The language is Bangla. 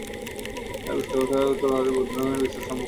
তার পৃষ্ঠপোষকতায় উত্তর ভারতে বৌদ্ধ ধর্মের বিস্তার সম্ভব হয়েছিল।